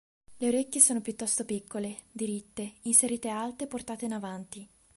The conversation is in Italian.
Le orecchie sono piuttosto piccole, diritte, inserite alte e portate in avanti.